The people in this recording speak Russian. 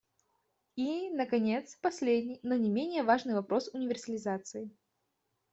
И, наконец, последний, но не менее важный вопрос универсализации.